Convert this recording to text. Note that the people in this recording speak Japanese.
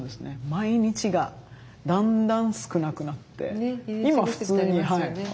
毎日がだんだん少なくなって今普通に朝起きて。